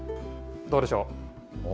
どうでしょう。